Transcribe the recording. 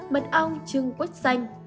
mật ong chưng quất xanh